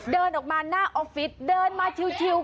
เดินออกมาหน้าออฟฟิศเดินมาชิว